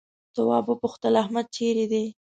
تواب وپوښتل احمد چيرې دی؟